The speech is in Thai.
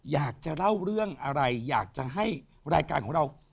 อยากจะเล่าเรื่องอะไรอยากจะให้รายการของเรา